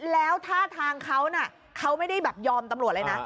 แล้วท่าทางเขาน่ะเขาไม่ได้แบบยอมตำรวจเลยนะ